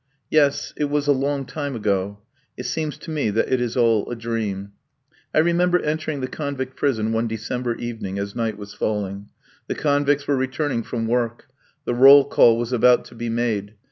Yes, it was a long time ago; it seems to me that it is all a dream. I remember entering the convict prison one December evening, as night was falling. The convicts were returning from work. The roll call was about to be made.